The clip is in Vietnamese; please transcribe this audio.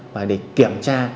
và để kiểm tra